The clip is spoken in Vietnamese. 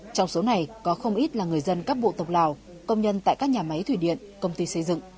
trong số này có không ít là người dân các bộ tộc lào công nhân tại các nhà máy thủy điện công ty xây dựng